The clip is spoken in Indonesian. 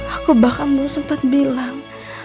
aku bahkan belum sempat bilang